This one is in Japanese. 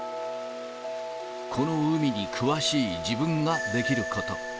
この海に詳しい自分ができること。